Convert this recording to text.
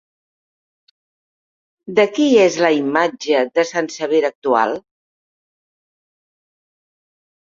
De qui és la imatge de Sant Sever actual?